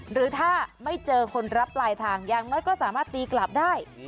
หรือถ้าไม่เจอคนรับปลายทางอย่างน้อยก็สามารถตีกลับได้